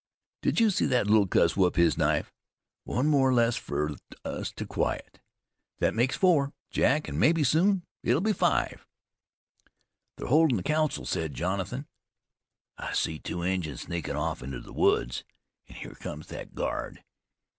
Well, did you see thet little cuss whip his knife? One more less fer us to quiet. Thet makes four, Jack, an' mebbe, soon, it'll be five." "They're holdin' a council," said Jonathan. "I see two Injuns sneakin' off into the woods, an' here comes thet guard.